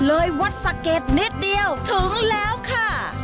เลยวัดสะเก็ดนิดเดียวถึงแล้วค่ะ